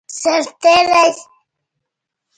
سرتیری